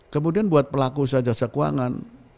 kemudian buat pelaku sejasa keuangan